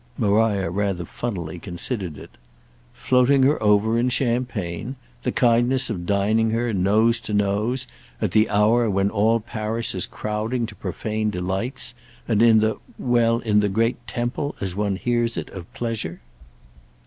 Maria rather funnily considered it. "Floating her over in champagne? The kindness of dining her, nose to nose, at the hour when all Paris is crowding to profane delights, and in the—well, in the great temple, as one hears of it, of pleasure?"